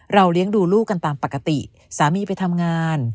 เลี้ยงดูลูกกันตามปกติสามีไปทำงาน